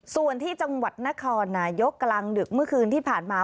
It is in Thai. ส่วนที่จังหวัดนครนายกกลางดึกเมื่อคืนที่ผ่านมา